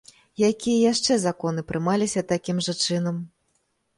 Якія яшчэ законы прымаліся такім жа чынам?